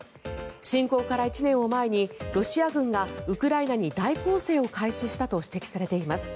侵攻から１年を前にロシア軍がウクライナに大攻勢を開始したと指摘されています。